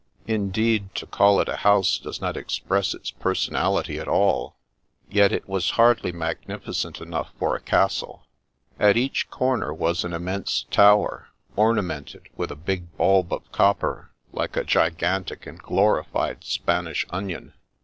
Indeed, to call it a house does not express its personality at all ; yet it was hardly magnificent enough for a castle. At each comer was an immense tower, ornamented with a big bulb of copper, like a gigantic and glorified Spanish onion.